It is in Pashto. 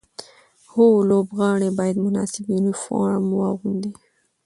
هر لوبغاړی باید مناسب یونیفورم واغوندي.